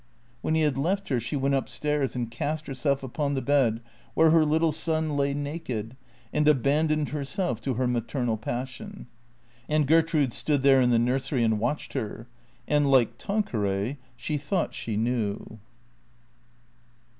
Wlien he had left her she went up stairs and cast herself upon the bed where her little son lay naked, and abandoned herself to her maternal passion. And Gertrude stood there in the nursery, and watched her; and like Tanqueray, she thought she knew.